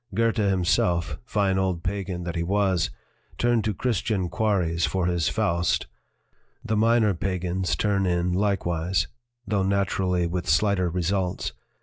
Goethe himself, fine old pagan that he 12 I77 LITERATURE IN THE MAKING was, turned to Christian quarries for his Faust. The minor pagans turn in likewise, though natu rally with slighter results.